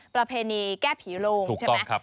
ประเพณีแก้ผีลุงถูกต้องครับ